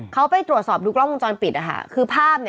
เค้าไปตรวจสอบดูกล้องวงจรปิดอะค่ะ